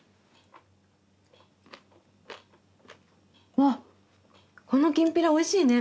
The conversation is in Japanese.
わっこのきんぴら美味しいね！